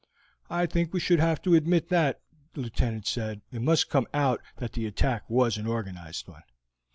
"I think we should have to admit that," the Lieutenant said; "it must come out that the attack was an organized one."